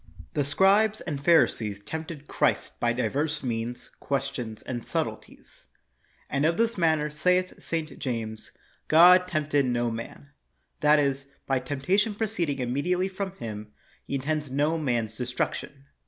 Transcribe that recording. The scribes and Pharisees tempted Christ by divers means, questions, and subtleties. And of this matter saith St. James, *' God tempted no man ''; that is, by temptation proceeding immediately from Him, He intends no man's destruction.